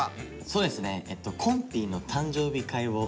そうですねこんぴーの誕生日会を。